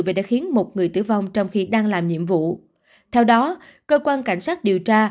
và đã khiến một người tử vong trong khi đang làm nhiệm vụ theo đó cơ quan cảnh sát điều tra